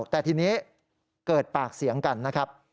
แต่ทีนี้เกิดปากเสียงกันนะครับ